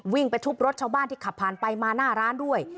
ไปทุบรถชาวบ้านที่ขับผ่านไปมาหน้าร้านด้วย